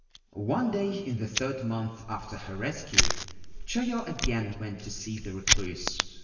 One day in the third month after her rescue Choyo again went to see the Recluse.